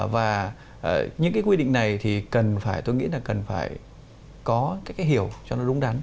và những quy định này thì tôi nghĩ là cần phải có hiểu cho nó đúng đắn